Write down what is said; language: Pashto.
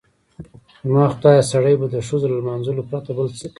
زما خدایه سړی به د ښځو له لمانځلو پرته بل څه کوي؟